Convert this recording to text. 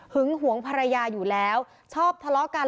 หวงภรรยาอยู่แล้วชอบทะเลาะกัน